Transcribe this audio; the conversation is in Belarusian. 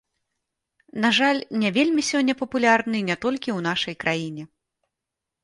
На жаль, не вельмі сёння папулярны не толькі ў нашай краіне.